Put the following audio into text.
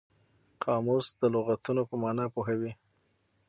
قاموس د لغتونو په مانا پوهوي.